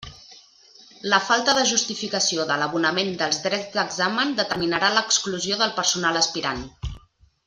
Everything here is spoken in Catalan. La falta de justificació de l'abonament dels drets d'examen determinarà l'exclusió del personal aspirant.